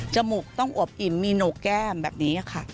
มูกต้องอวบอิ่มมีโหนกแก้มแบบนี้ค่ะ